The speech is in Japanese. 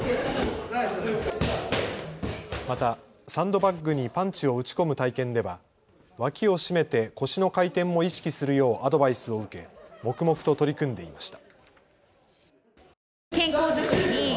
またサンドバッグにパンチを打ち込む体験では脇を締めて腰の回転も意識するようアドバイスを受け黙々と取り組んでいました。